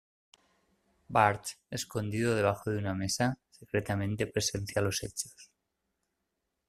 Bart, escondido debajo de una mesa, secretamente presencia los hechos.